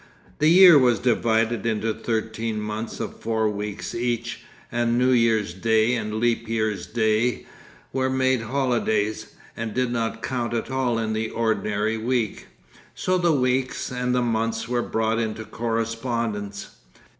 The year was divided into thirteen months of four weeks each, and New Year's Day and Leap Year's Day were made holidays, and did not count at all in the ordinary week. So the weeks and the months were brought into correspondence.